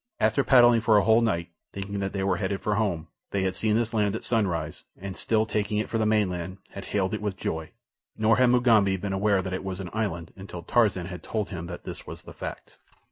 After paddling for a whole night, thinking that they were headed for home, they had seen this land at sunrise, and, still taking it for the mainland, had hailed it with joy, nor had Mugambi been aware that it was an island until Tarzan had told him that this was the fact.